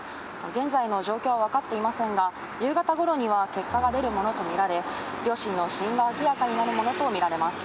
現在の状況は分かっていませんが、夕方ごろには結果が出るものと見られ、両親の死因が明らかになるものと見られます。